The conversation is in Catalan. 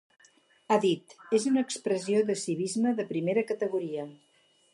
Ha dit: És una expressió de civisme de primera categoria.